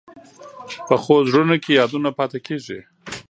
پخو زړونو کې یادونه پاتې کېږي